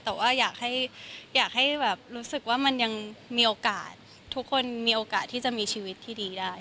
แต่ว่าอยากให้แบบรู้สึกว่ามันยังมีโอกาสทุกคนมีโอกาสที่จะมีชีวิตที่ดีได้